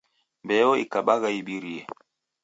Mbeoikabagha ibirie!